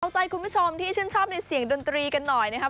เอาใจคุณผู้ชมที่ชื่นชอบในเสียงดนตรีกันหน่อยนะครับ